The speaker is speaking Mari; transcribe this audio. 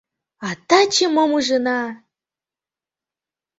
А таче мом ужына!